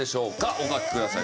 お書きください。